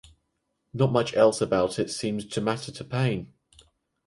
Not much else about it seems to matter to Payne.